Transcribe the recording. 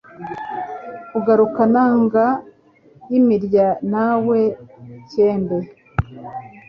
Kanguka nanga y’imirya nawe cyembe